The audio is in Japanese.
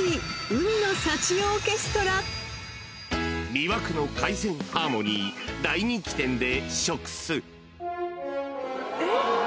［魅惑の海鮮ハーモニー大人気店で食す］えっ！？